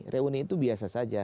reuni itu biasa saja